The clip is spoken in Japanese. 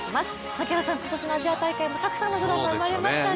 槙原さん、今年のアジア大会もたくさんのドラマ、生まれましたね。